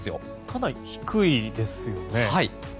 かなり低いですね。